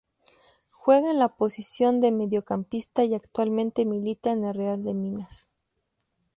Juega en la posición de mediocampista y actualmente milita en el Real de Minas.